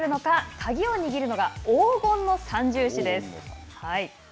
鍵を握るのが黄金の三銃士です。